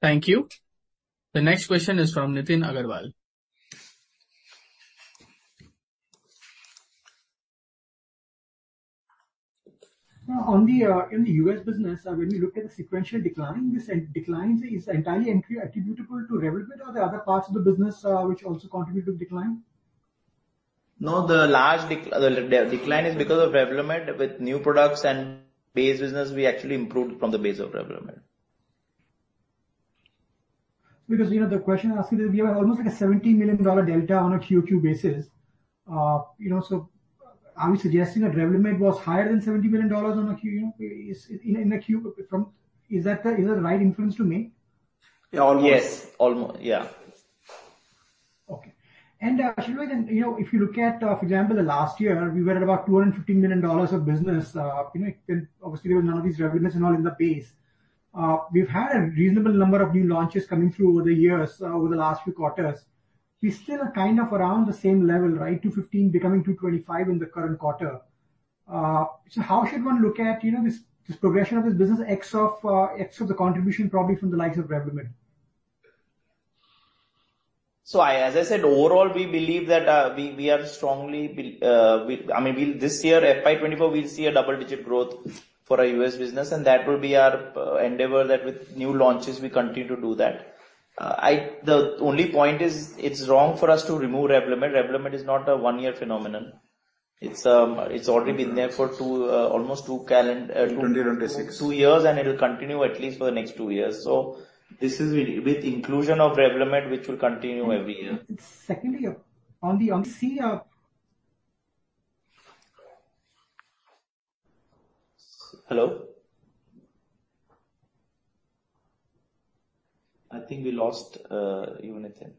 Thank you. The next question is from Nitin Agarwal. Now, in the U.S. business, when we look at the sequential decline, this decline is entirely attributable to Revlimid, or there are other parts of the business which also contribute to the decline? No, the large decline is because of Revlimid. With new products and base business, we actually improved from the base of Revlimid. Because, you know, the question I ask you is, we have almost like a $70 million delta on a Q-Q basis. You know, so are we suggesting that Revlimid was higher than $70 million on a Q, you know, is, in a Q from... Is that the, is the right inference to make? Yes. Almost. Yeah. Okay. Should we then, you know, if you look at, for example, the last year, we were at about $250 million of business. You know, obviously, there were none of these Revlimids and all in the base. We've had a reasonable number of new launches coming through over the years, over the last few quarters. We still are kind of around the same level, right? $215 million becoming $225 million in the current quarter. So how should one look at, you know, this, this progression of this business, X of, X of the contribution, probably from the likes of Revlimid? So, as I said, overall, we believe that, I mean, we'll—this year, FY 2024, we'll see a double-digit growth for our U.S. business, and that will be our endeavor, that with new launches, we continue to do that. The only point is, it's wrong for us to remove Revlimid. Revlimid is not a one-year phenomenon. It's already been there for two, almost two calendar- 2026. two years, and it'll continue at least for the next two years. So this is with inclusion of Revlimid, which will continue every year. Secondly, on C Hello? I think we lost you, Nitin.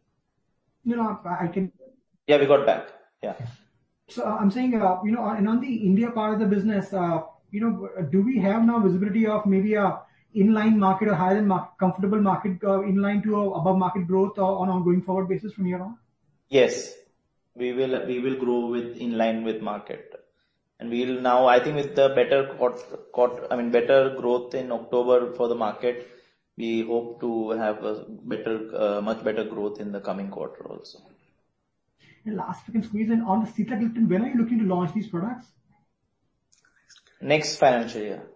No, I can- Yeah, we got back. Yeah. So I'm saying, you know, on the India part of the business, you know, do we have now visibility of maybe an in-line market or higher than market-comfortable market, in line to above market growth on an ongoing forward basis from here on? Yes. We will, we will grow in line with market. And we'll now, I think with the better quarters, I mean, better growth in October for the market, we hope to have a better, much better growth in the coming quarter also. Last, if I can squeeze in, on the cetrorelix, when are you looking to launch these products? Next financial year.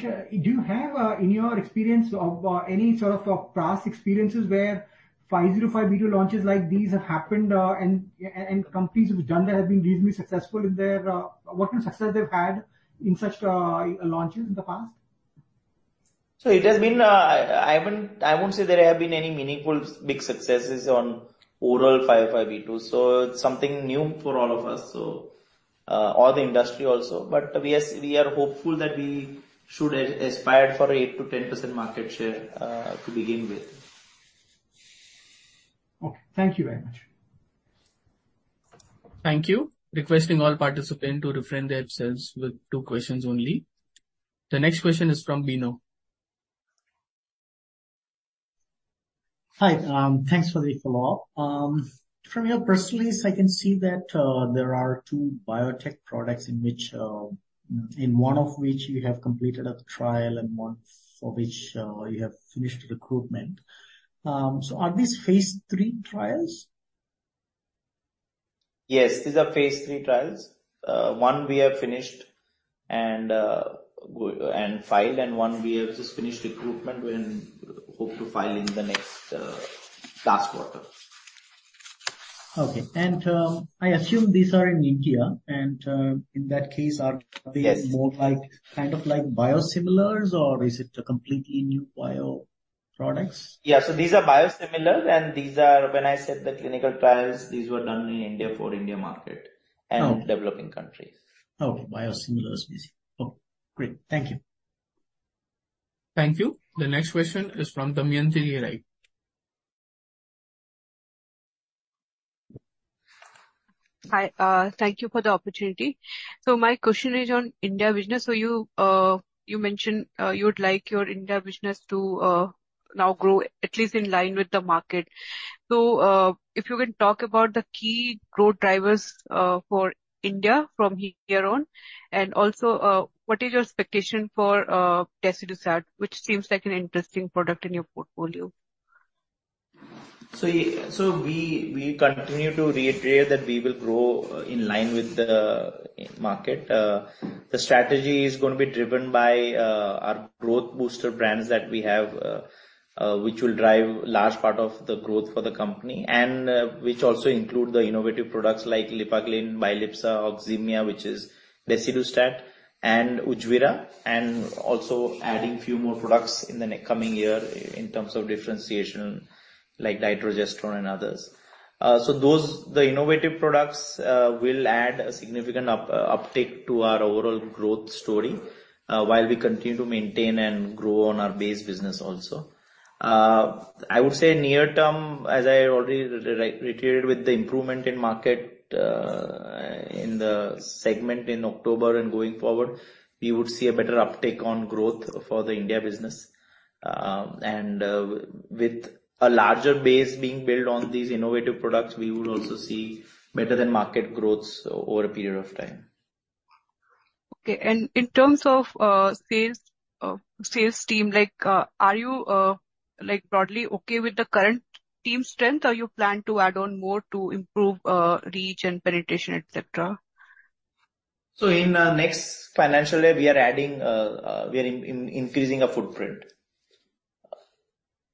Do you have, in your experience of, any sort of past experiences where 505(b)(2) launches like these have happened, and companies who've done that have been reasonably successful in their... What kind of success they've had in such launches in the past? So it has been. I won't say there have been any meaningful big successes on oral 505(b)(2), so it's something new for all of us, so all the industry also. But yes, we are hopeful that we should aspire for 8%-10% market share, to begin with. Okay. Thank you very much. Thank you. Requesting all participants to refrain themselves with two questions only. The next question is from Bino. Hi, thanks for the call. From your press release, I can see that there are two biotech products in which, in one of which you have completed a trial and one for which you have finished recruitment. Are these Phase 3 trials? Yes, these are Phase 3 trials. One we have finished and filed, and one we have just finished recruitment and hope to file in the next, last quarter. Okay. I assume these are in India, and in that case, are- Yes. They more like, kind of like biosimilars, or is it a completely new bioproducts? Yeah. So these are biosimilar, and these are... When I said the clinical trials, these were done in India for India market- Okay. and developing countries. Okay. Biosimilars, basically. Okay, great. Thank you. Thank you. The next question is from Damayanti Kerai. Hi, thank you for the opportunity. So my question is on India business. So, you mentioned you'd like your India business to now grow at least in line with the market. So, if you can talk about the key growth drivers for India from here on, and also, what is your expectation for Desidustat, which seems like an interesting product in your portfolio? So we continue to reiterate that we will grow in line with the market. The strategy is going to be driven by our growth booster brands that we have, which will drive large part of the growth for the company, and which also include the innovative products like Lipaglyn, Bilypsa, Oxemia, which is Desidustat, and Ujvira, and also adding few more products in the next coming year in terms of differentiation like Nitroglycerin and others. So those innovative products will add a significant uptick to our overall growth story while we continue to maintain and grow on our base business also. I would say near term, as I already reiterated, with the improvement in market, in the segment in October and going forward, we would see a better uptake on growth for the India business. With a larger base being built on these innovative products, we would also see better-than-market growth over a period of time. Okay. And in terms of sales, sales team, like, are you like broadly okay with the current team strength, or you plan to add on more to improve reach and penetration, et cetera? So in next financial year, we are adding, we are increasing our footprint.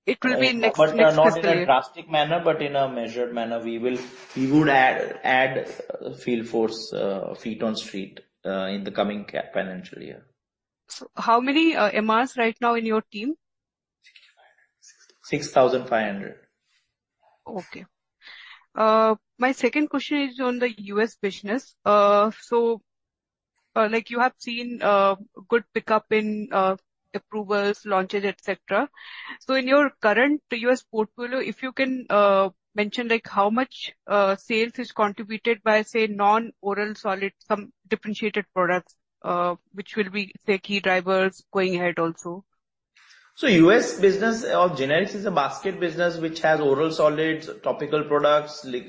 It will be next. But not in a drastic manner, but in a measured manner, we will, we would add, add field force, feet on street, in the coming financial year. So how many MRs right now in your team? 6,500. Okay. My second question is on the U.S. business. So, like, you have seen good pickup in approvals, launches, et cetera. So in your current U.S. portfolio, if you can mention, like, how much sales is contributed by, say, non-oral solid, some differentiated products, which will be, say, key drivers going ahead also? So the U.S. business of generics is a basket business which has oral solids, topical products, like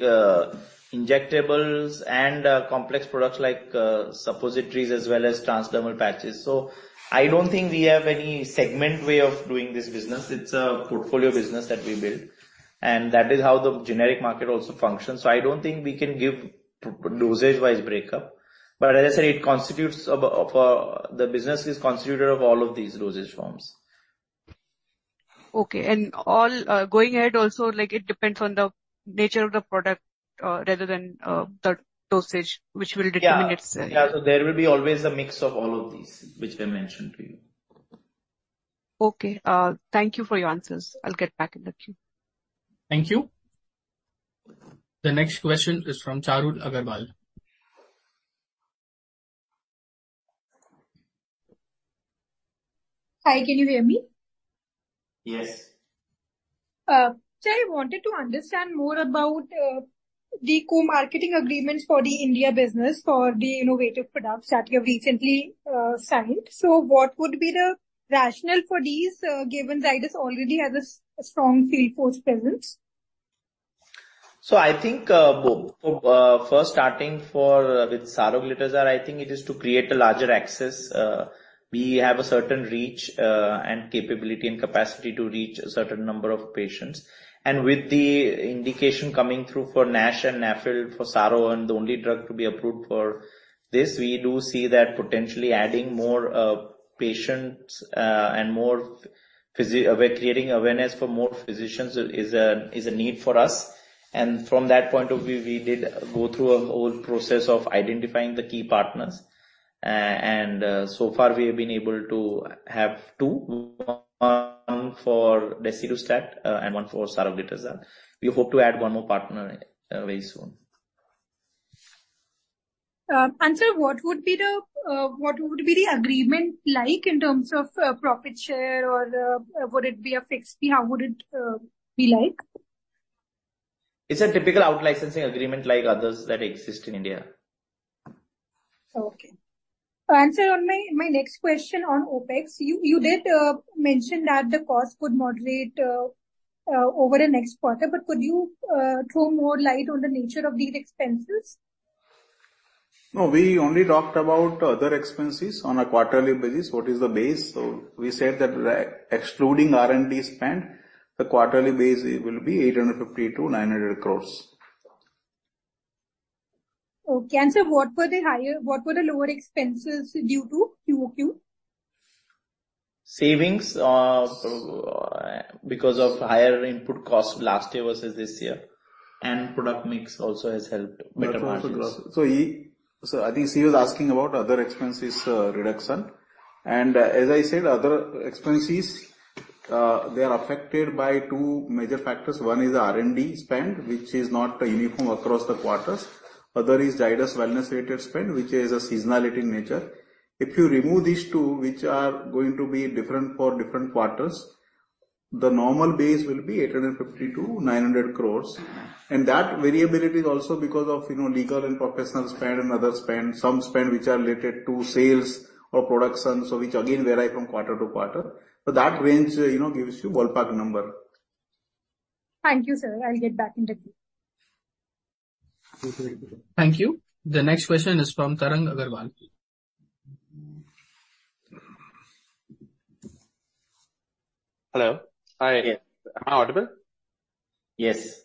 injectables and complex products like suppositories as well as transdermal patches. So I don't think we have any segment way of doing this business. It's a portfolio business that we build, and that is how the generic market also functions. So I don't think we can give dosage-wise breakup, but as I said, it constitutes of a... The business is constituted of all of these dosage forms. Okay. And all, going ahead also, like, it depends on the nature of the product, rather than the dosage, which will determine its- Yeah. Yeah, so there will be always a mix of all of these, which I mentioned to you. Okay, thank you for your answers. I'll get back in the queue. Thank you. The next question is from Charul Agrawal. Hi, can you hear me? Yes. So I wanted to understand more about the co-marketing agreements for the India business, for the innovative products that you have recently signed. So what would be the rationale for these, given Zydus already has a strong field force presence?... So I think, both. First starting for, with Saroglitazar, I think it is to create a larger access. We have a certain reach, and capability and capacity to reach a certain number of patients. And with the indication coming through for NASH and NAFLD for Saro, and the only drug to be approved for this, we do see that potentially adding more patients, and more physicians, we're creating awareness for more physicians is a, is a need for us. And from that point of view, we did go through a whole process of identifying the key partners. And, so far we have been able to have two. One for Desidustat and one for Saroglitazar. We hope to add one more partner, very soon. Sir, what would be the agreement like in terms of profit share or would it be a fixed fee? How would it be like? It's a typical out-licensing agreement like others that exist in India. Okay. Sir, on my next question on OpEx. You did mention that the cost could moderate over the next quarter, but could you throw more light on the nature of these expenses? No, we only talked about other expenses on a quarterly basis. What is the base? So we said that, excluding R&D spend, the quarterly base will be 850 crore-900 crore. Okay. And sir, what were the lower expenses due to QoQ? Savings, because of higher input costs last year versus this year, and product mix also has helped better margins. I think she was asking about other expenses reduction. As I said, other expenses they are affected by two major factors. One is the R&D spend, which is not uniform across the quarters. Other is Zydus Wellness related spend, which is a seasonality in nature. If you remove these two, which are going to be different for different quarters, the normal base will be 850 crore-900 crore. And that variability is also because of, you know, legal and professional spend and other spend, some spend which are related to sales or production, so which again vary from quarter to quarter. So that range, you know, gives you ballpark number. Thank you, sir. I'll get back in the queue. Thank you. Thank you. The next question is from Tarang Agrawal. Hello. Hi, am I audible? Yes.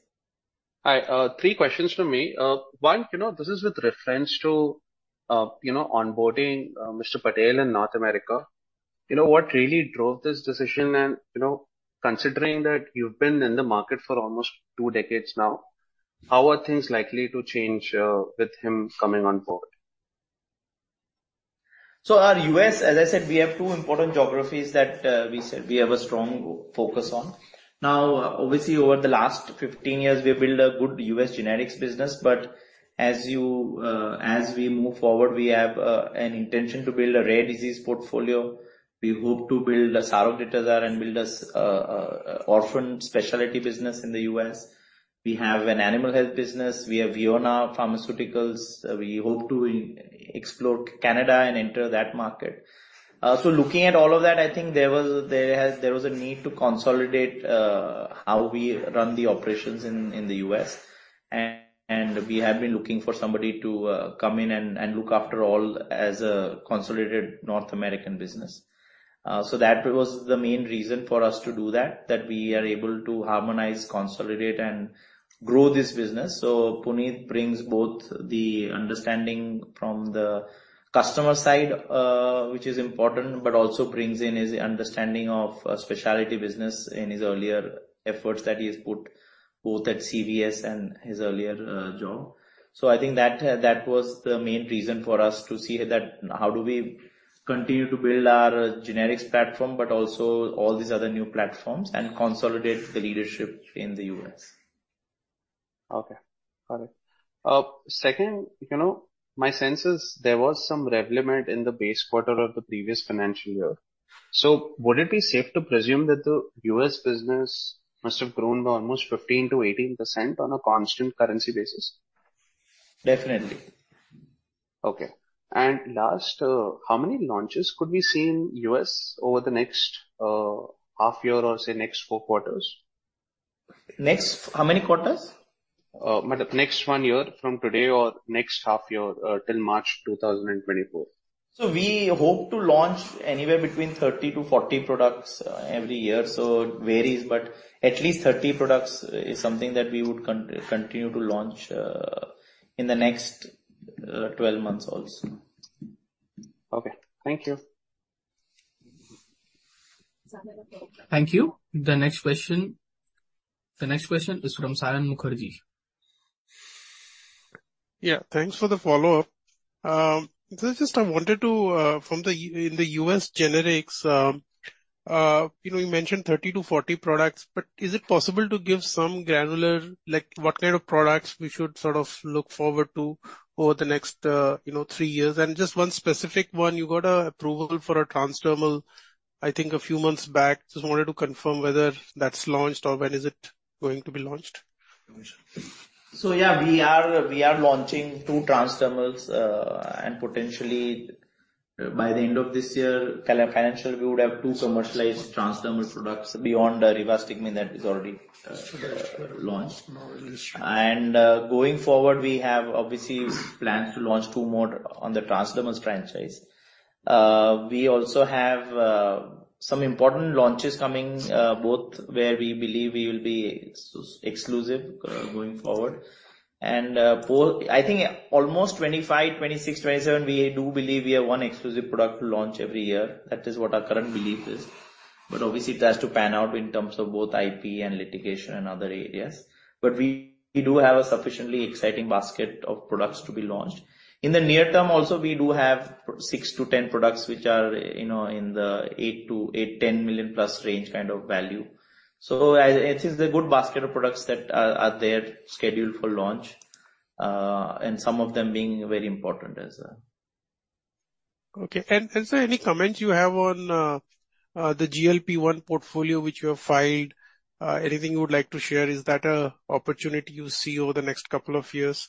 Hi. Three questions from me. One, you know, this is with reference to, you know, onboarding, Mr. Patel in North America. You know, what really drove this decision? And, you know, considering that you've been in the market for almost two decades now, how are things likely to change, with him coming on board? So our U.S., as I said, we have two important geographies that, we said we have a strong focus on. Now, obviously, over the last 15 years, we have built a good U.S. generics business, but as you, as we move forward, we have, an intention to build a rare disease portfolio. We hope to build a Saroglitazar and build a orphan specialty business in the U.S. We have an animal health business. We have Viona Pharmaceuticals. We hope to explore Canada and enter that market. So looking at all of that, I think there was a need to consolidate, how we run the operations in the U.S., and we have been looking for somebody to come in and look after all as a consolidated North American business. So that was the main reason for us to do that, that we are able to harmonize, consolidate, and grow this business. So Punit brings both the understanding from the customer side, which is important, but also brings in his understanding of specialty business in his earlier efforts that he has put both at CVS and his earlier job. So I think that, that was the main reason for us to see that how do we continue to build our generics platform, but also all these other new platforms and consolidate the leadership in the U.S. Okay. Got it. Second, you know, my sense is there was some Revlimid in the base quarter of the previous financial year. So would it be safe to presume that the U.S. business must have grown by almost 15%-18% on a constant currency basis? Definitely. Okay. And last, how many launches could we see in U.S. over the next half year or say, next four quarters? Next, how many quarters? Next one year from today, or next half year, till March 2024. We hope to launch anywhere between 30-40 products every year. It varies, but at least 30 products is something that we would continue to launch in the next 12 months also. Okay. Thank you. Thank you. The next question, the next question is from Saion Mukherjee. Yeah, thanks for the follow-up. Just I wanted to, from the U... In the U.S. generics, you know, you mentioned 30-40 products, but is it possible to give some granular, like what kind of products we should sort of look forward to over the next, you know, three years? And just one specific one, you got a approval for a transdermal, I think a few months back. Just wanted to confirm whether that's launched or when is it going to be launched? So yeah, we are launching two transdermals, and potentially. By the end of this year, calendar financial, we would have two commercialized transdermal products beyond rivastigmine that is already launched. And going forward, we have obviously plans to launch two more on the transdermal franchise. We also have some important launches coming, both where we believe we will be exclusive going forward. I think almost 2025, 2026, 2027, we do believe we have one exclusive product to launch every year. That is what our current belief is. But obviously it has to pan out in terms of both IP and litigation and other areas. But we do have a sufficiently exciting basket of products to be launched. In the near term also, we do have six to 10 products, which are, you know, in the $8-$10 million plus range kind of value. So, it is a good basket of products that are there scheduled for launch, and some of them being very important as well. Okay. And sir, any comment you have on the GLP-1 portfolio, which you have filed? Anything you would like to share? Is that a opportunity you see over the next couple of years?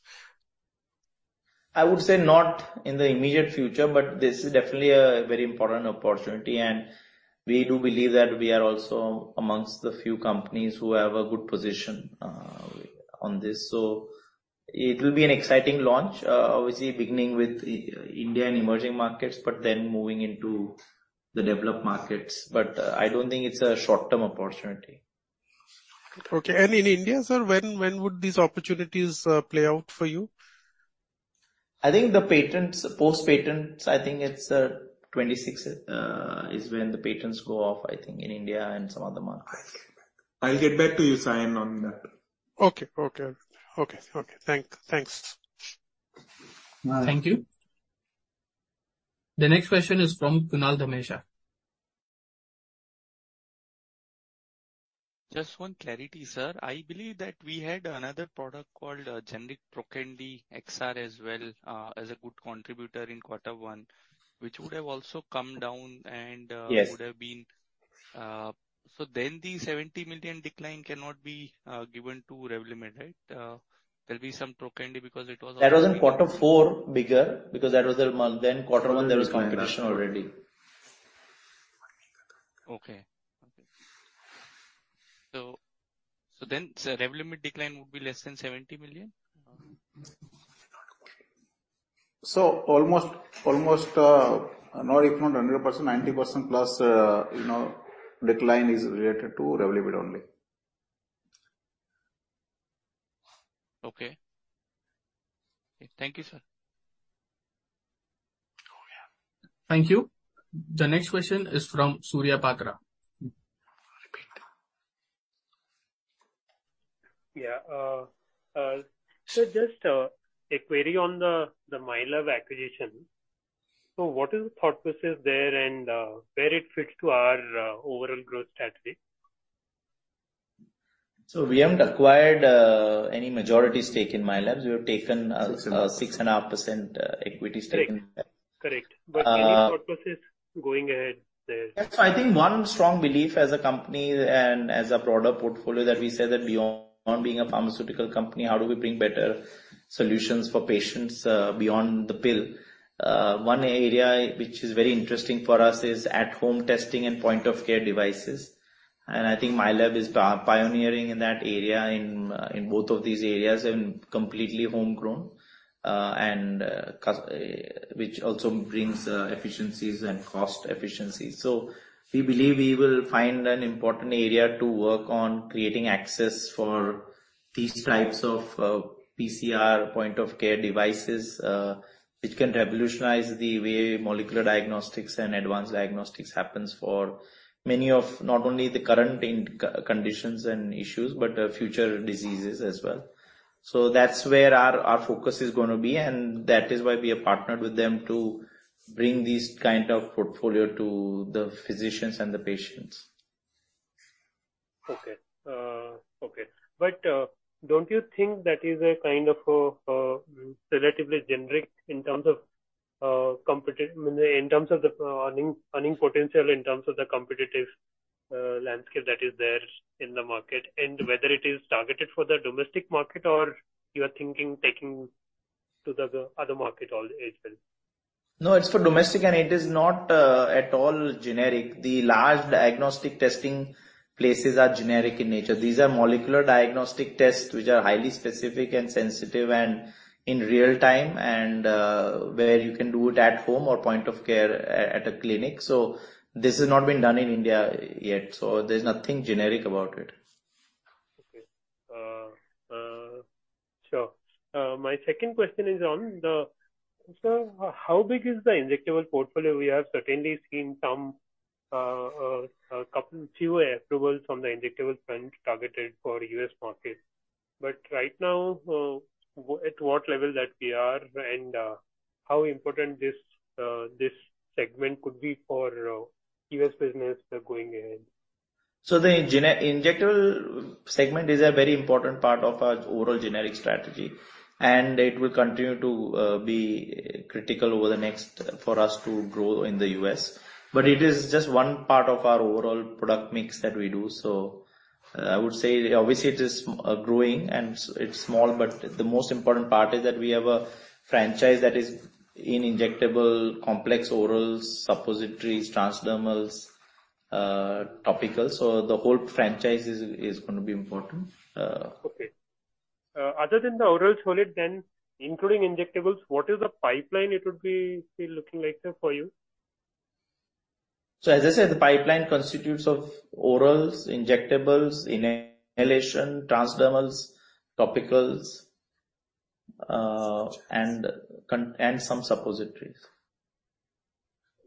I would say not in the immediate future, but this is definitely a very important opportunity, and we do believe that we are also among the few companies who have a good position on this. So it will be an exciting launch, obviously beginning with India and emerging markets, but then moving into the developed markets. But, I don't think it's a short-term opportunity. Okay. In India, sir, when would these opportunities play out for you? I think the patents, post-patents, I think it's 2026 is when the patents go off, I think, in India and some other markets. I'll get back to you, Saion, on that. Okay. Thanks. Thank you. The next question is from Kunal Dhamesha. Just one clarity, sir. I believe that we had another product called generic Trokendi XR as well as a good contributor in quarter one, which would have also come down and, Yes. - would have been. So then the $70 million decline cannot be given to Revlimid, right? There'll be some Trokendi because it was- That was in quarter four, bigger, because that was their month. Then quarter one, there was competition already. Okay. So then, sir, Revlimid decline would be less than $70 million? So, almost, not if not 100%, 90%+, you know, decline is related to Revlimid only. Okay. Thank you, sir. Thank you. The next question is from Surya Patra. Yeah, so just a query on the Mylab acquisition. So what is the thought process there, and where it fits to our overall growth strategy? We haven't acquired any majority stake in Mylab. We have taken Six and a half. 6.5% equity stake in Mylab. Correct. But any thought process going ahead there? Yes. So I think one strong belief as a company and as a broader portfolio, that we say that beyond being a pharmaceutical company, how do we bring better solutions for patients, beyond the pill? One area which is very interesting for us is at-home testing and point-of-care devices. And I think Mylab is pioneering in that area, in both of these areas and completely homegrown, which also brings efficiencies and cost efficiencies. So we believe we will find an important area to work on creating access for these types of PCR point-of-care devices, which can revolutionize the way molecular diagnostics and advanced diagnostics happens for many of not only the current conditions and issues, but future diseases as well. That's where our focus is going to be, and that is why we have partnered with them to bring this kind of portfolio to the physicians and the patients. Okay, okay. But don't you think that is a kind of relatively generic in terms of in terms of the earning potential, in terms of the competitive landscape that is there in the market, and whether it is targeted for the domestic market or you are thinking taking to the other market all as well? No, it's for domestic, and it is not at all generic. The large diagnostic testing places are generic in nature. These are molecular diagnostic tests which are highly specific and sensitive and in real time, and where you can do it at home or point of care at a clinic. So this has not been done in India yet, so there's nothing generic about it. Okay. Sure. My second question is on the... Sir, how big is the injectable portfolio? We have certainly seen some couple, few approvals from the injectable front targeted for U.S. market. But right now, at what level that we are and, how important this, this segment could be for, U.S. business going ahead? So the generic injectable segment is a very important part of our overall generic strategy, and it will continue to be critical over the next... for us to grow in the U.S. But it is just one part of our overall product mix that we do. So I would say, obviously it is growing and it's small, but the most important part is that we have a franchise that is in injectable, complex orals, suppositories, transdermals, topical. So the whole franchise is going to be important. Okay. Other than the oral solid, then including injectables, what is the pipeline it would be still looking like, sir, for you? So as I said, the pipeline constitutes of orals, injectables, inhalation, transdermals, topicals, and some suppositories.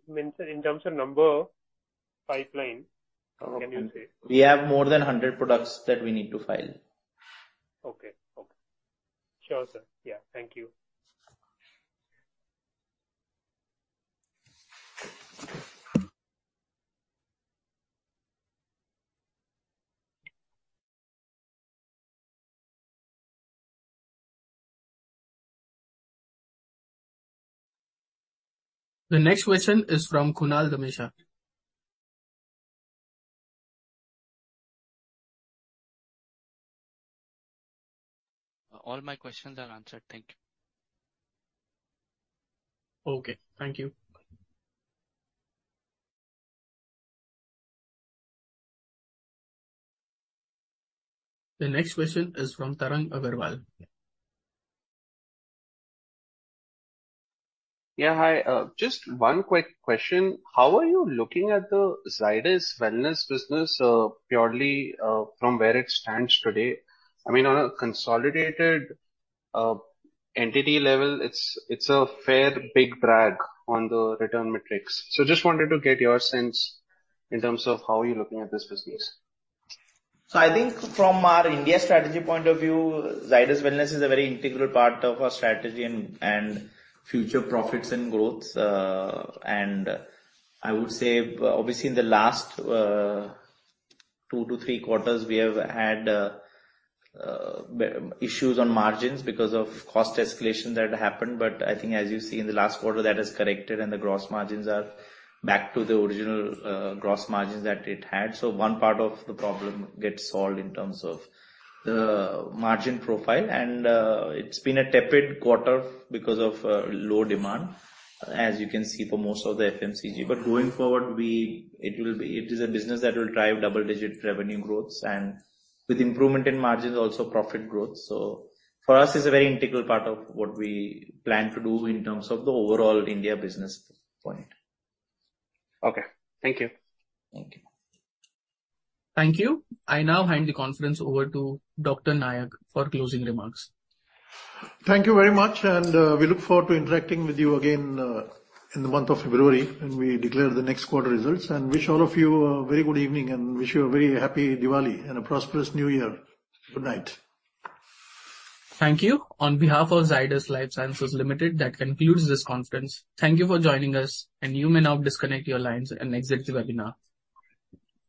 I mean, sir, in terms of number pipeline, can you say? We have more than 100 products that we need to file. Okay. Okay. Sure, sir. Yeah. Thank you. The next question is from Kunal Dhamesha. All my questions are answered. Thank you. Okay, thank you. The next question is from Tarang Agrawal. Yeah, hi. Just one quick question. How are you looking at the Zydus Wellness business, purely, from where it stands today? I mean, on a consolidated entity level, it's, it's a fair, big drag on the return metrics. So just wanted to get your sense in terms of how you're looking at this business. So I think from our India strategy point of view, Zydus Wellness is a very integral part of our strategy and future profits and growth. And I would say, obviously, in the last two to three quarters, we have had issues on margins because of cost escalation that happened. But I think as you see in the last quarter, that has corrected, and the gross margins are back to the original gross margins that it had. So one part of the problem gets solved in terms of the margin profile. And it's been a tepid quarter because of low demand, as you can see for most of the FMCG. But going forward, it is a business that will drive double-digit revenue growth and with improvement in margins, also profit growth. For us, it's a very integral part of what we plan to do in terms of the overall India business point. Okay. Thank you. Thank you. Thank you. I now hand the conference over to Dr. Nayak for closing remarks. Thank you very much, and we look forward to interacting with you again in the month of February, when we declare the next quarter results, and wish all of you a very good evening, and wish you a very happy Diwali and a prosperous new year. Good night. Thank you. On behalf of Zydus Lifesciences Ltd., that concludes this conference. Thank you for joining us, and you may now disconnect your lines and exit the webinar.